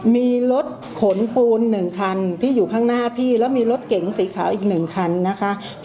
มีรถขนปูน๑คันที่อยู่ข้างหน้าพี่แล้วมีรถเก๋งสีขาวอีก๑คันนะคะ